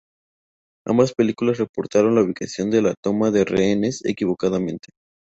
Ambas películas reportaron la ubicación de la toma de rehenes equivocadamente.